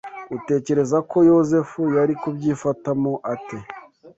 Utekereza ko Yozefu yari kubyifatamo ate